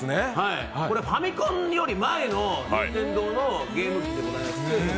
ファミコンより前の任天堂のゲーム機でございます。